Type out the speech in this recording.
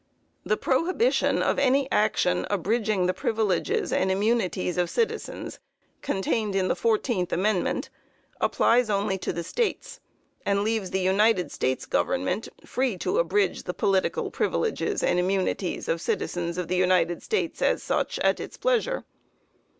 The prohibition of any action abridging the privileges and immunities of citizens, contained in the fourteenth amendment, applies only to the States, and leaves the United States government free to abridge the political privileges and immunities of citizens of the United States, as such, at its pleasure.